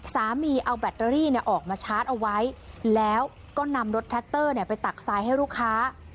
สามีเอาแบตเตอรี่ออกมาชาร์จเอาไว้แล้วก็นำรถแท็กเตอร์ไปตักทรายให้ลูกค้า